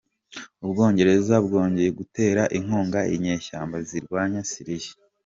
Ubwongereza bwongeye gutera inkunga inyeshyamba zirwanya Siriya